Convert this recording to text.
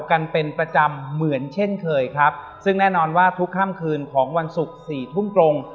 กันเป็นประจำเหมือนเช่นเคยครับซึ่งแน่นอนว่าทุกค่ำคืนของวันศุกร์สี่ทุ่มตรง